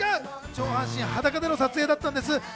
上半身裸での撮影だったんです。